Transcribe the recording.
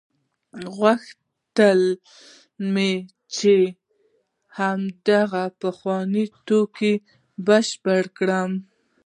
غوښتل مې چې هماغه پخوانۍ ټوکه بشپړه کړم.